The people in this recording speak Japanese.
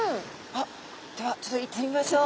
あではちょっと行ってみましょう。